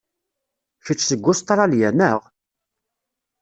Kečč seg Ustṛalya, naɣ?